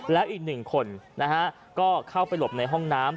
แล้วอีก๑คนก็เข้าไปหลบในห้องน้ำ